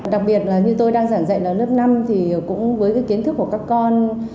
đặc biệt là như tôi đang giảng dạy ở lớp năm thì cũng với cái kiến thức của các con